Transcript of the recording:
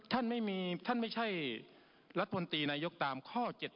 ท่านไม่ใช่รัฐบาลตีนายกตามข้อ๗๗๗